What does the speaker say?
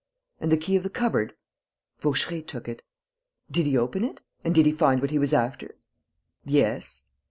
"And the key of the cupboard?" "Vaucheray took it...." "Did he open it?" "And did he find what he was after?" "Yes."